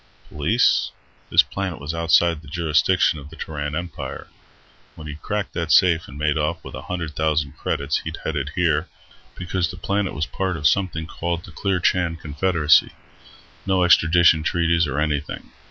Police? This planet was outside the jurisdiction of the Terran Empire. When he'd cracked that safe and made off with a hundred thousand credits, he'd headed here, because the planet was part of something called the Clearchan Confederacy. No extradition treaties or anything.